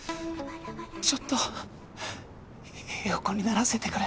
ちょっと横にならせてくれ。